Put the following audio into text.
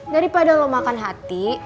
daripada lo makan hati